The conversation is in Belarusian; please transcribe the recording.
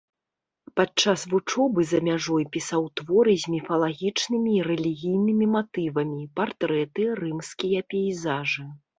Падчас вучобы за мяжой пісаў творы з міфалагічнымі і рэлігійнымі матывамі, партрэты, рымскія пейзажы.